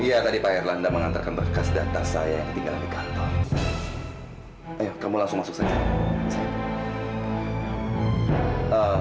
iya tadi pak erlanda mengantarkan berkas data saya yang ketinggalan di kantor ayo kamu langsung masuk saja